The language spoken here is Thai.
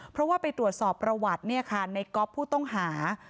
เพราะว่าไปตรวจสอบประวัติในก๊อฟผู้ต้องหา